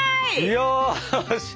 よし！